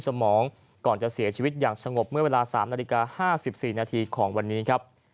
สมองก่อนจะเสียชีวิตอย่างสงบเมื่อเวลา๓นาฬิกา๕๔นาทีของวันนี้ครับ